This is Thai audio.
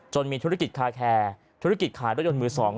มีธุรกิจคาแคร์ธุรกิจขายรถยนต์มือ๒